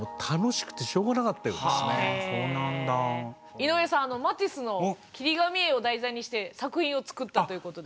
井上さんマティスの切り紙絵を題材にして作品を作ったということで。